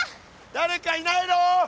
誰かいないの？